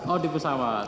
oh di pesawat